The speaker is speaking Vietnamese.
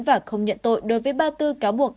và không nhận tội đối với ba tư cáo buộc